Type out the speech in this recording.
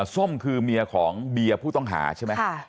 ส้มคือเมียของเบียร์ผู้ต้องหาใช่ไหม